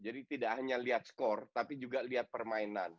jadi tidak hanya lihat skor tapi juga lihat permainan